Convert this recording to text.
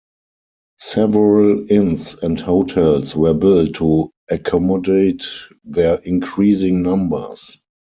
Several inns and hotels were built to accommodate their increasing numbers.